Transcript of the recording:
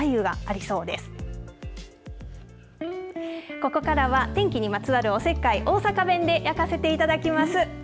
ここからは天気にまつわるおせっかい大阪弁で焼かせていただきます。